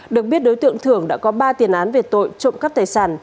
được biết đối tượng thưởng đã có ba tiền án về tội trộm cắp tài sản